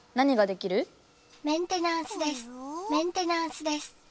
メンテナンスです。